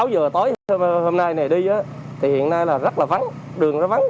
sáu h tối hôm nay này đi thì hiện nay là rất là vắng đường rất là vắng